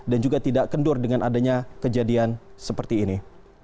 dan juga tidak kendur dengan adanya kejadian seperti ini